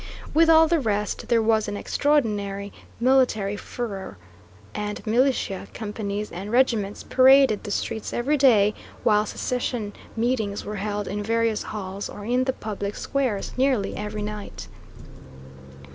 With all the rest, there was an extraordinary military furor, and militia companies and regiments paraded the streets every day, while secession meetings were held in various halls, or in the public squares, nearly ever night.